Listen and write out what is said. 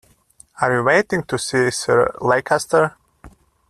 Are you waiting to see Sir Leicester?